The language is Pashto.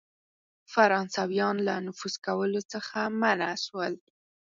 فرانسیویان له نفوذ کولو څخه منع سول.